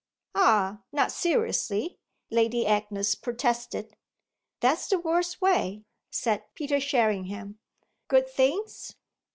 "Ah not seriously!" Lady Agnes protested. "That's the worst way," said Peter Sherringham. "Good things?"